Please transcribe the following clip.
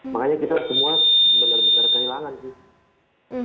makanya kita semua benar benar kehilangan sih